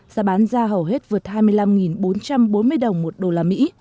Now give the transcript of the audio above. giá bán ra hầu hết vượt hai mươi năm bốn trăm bốn mươi đồng một đô la mỹ